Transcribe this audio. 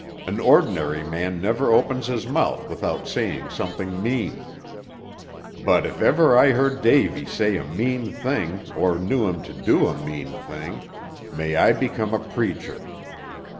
An ordinary man never opens his mouth without saying something mean; but if ever I heard Davy say a mean thing, or knew him to do a mean thing, may I become a preacher.